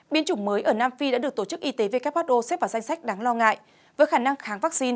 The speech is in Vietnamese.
biến chủng mới ở nam phi đã được tổ chức y tế who xếp vào danh sách đáng lo ngại với khả năng kháng vaccine